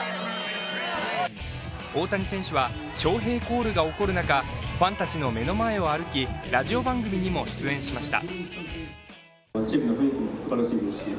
大谷選手はショーヘイコールが起こる中、ファンたちの目の前を歩き、ラジオ番組にも出演しました。